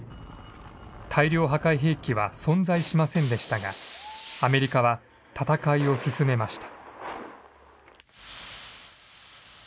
大量破壊兵器は存在しませんでしたが、アメリカは戦いを進めました。